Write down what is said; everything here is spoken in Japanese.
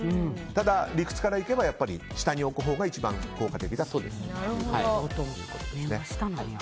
ただ、理屈からいけば下に置くほうが一番効果的だと。